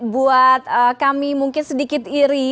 buat kami mungkin sedikit iri